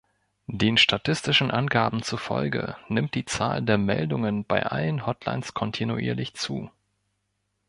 Den statistischen Angaben zufolge nimmt die Zahl der Meldungen bei allen Hotlines kontinuierlich zu.